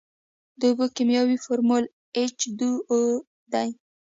د اوبو کیمیاوي فارمول ایچ دوه او دی.